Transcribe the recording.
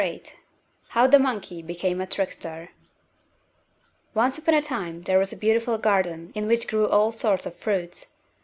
VIII How the Monkey Became a Trickster Once upon a time there was a beautiful garden in which grew all sorts of fruits.